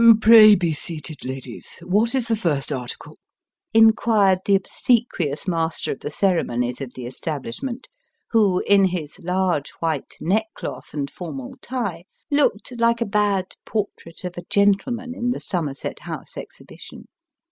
" Pray be seated, ladies. What is the first article ?" inquired the obsequious master of the ceremonies of the establishment, who, in his large white neckcloth and formal tie, looked like a bad " portrait of a gentleman " in the Somerset House exhibition.